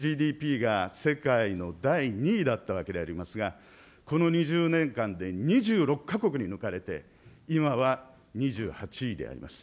当時は１人当たりＧＤＰが世界の第２位だったわけでありますが、この２０年間で２６か国に抜かれて、今は２８位であります。